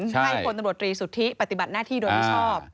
ให้โพลตรีสุทธิปฏิบัติหน้าที่โดยนชอบ